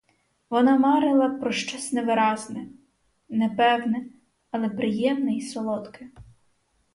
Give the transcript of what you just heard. Вона марила про щось невиразне, непевне, але приємне й солодке.